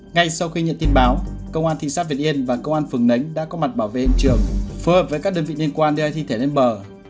ngay sau khi nhận tin báo công an thị xã việt yên và công an phường nấnh đã có mặt bảo vệ hiện trường phối hợp với các đơn vị liên quan đưa thi thể lên bờ